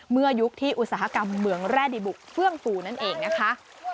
ยุคที่อุตสาหกรรมเหมืองแร่ดีบุกเฟื่องฟูนั่นเองนะคะ